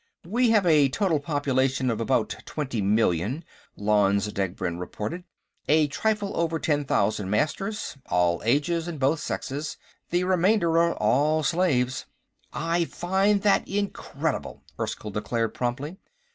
"We have a total population of about twenty million," Lanze Degbrend reported. "A trifle over ten thousand Masters, all ages and both sexes. The remainder are all slaves." "I find that incredible," Erskyll declared promptly.